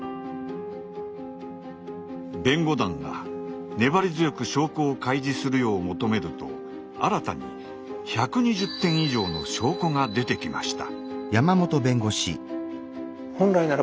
弁護団が粘り強く証拠を開示するよう求めると新たに１２０点以上の証拠が出てきました。